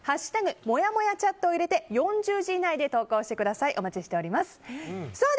「＃もやもやチャット」を入れて４０字以内で投稿してください。